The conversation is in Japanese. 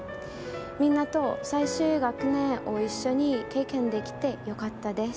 みんなと最終学年を一緒に経験できてよかったです。